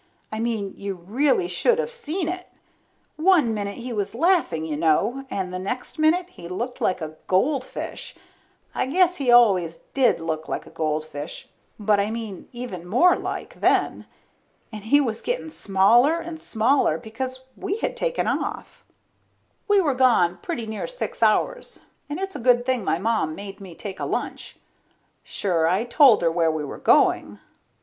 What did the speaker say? I mean you really should of seen it. One minute he was laughing you know, and the next minute he looked like a goldfish. I guess he always did look like a goldfish, but I mean even more like, then. And he was getting smaller and smaller, because we had taken off. We were gone pretty near six hours, and it's a good thing my Mom made me take a lunch. Sure, I told her where we were going.